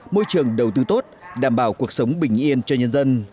môi trường đầu tư tốt đảm bảo cuộc sống bình yên cho nhân dân